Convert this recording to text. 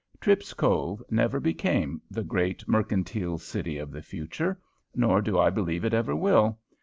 Tripp's Cove never became "the Great Mercantile City of the Future," nor do I believe it ever will.